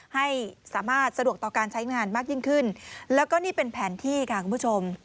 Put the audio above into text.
ให้สามารถสะดวกต่อการใช้งานมากยิ่งขึ้นแล้วก็นี่เป็นแผนที่ค่ะคุณผู้ชม